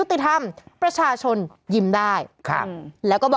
พี่ขับรถไปเจอแบบ